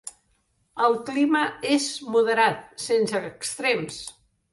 El clima és moderat, sense extrems.